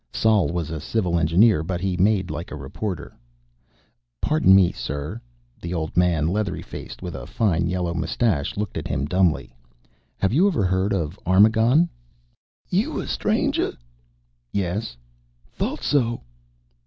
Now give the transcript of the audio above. Sol was a civil engineer. But he made like a reporter. "Pardon me, sir." The old man, leathery faced, with a fine yellow moustache, looked at him dumbly. "Have you ever heard of Armagon?" "You a stranger?" "Yes." "Thought so."